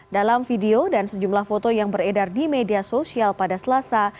dalam video dan sejumlah foto yang beredar di media sosial pada selasa